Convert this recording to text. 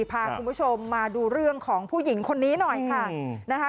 พาคุณผู้ชมมาดูเรื่องของผู้หญิงคนนี้หน่อยค่ะนะคะ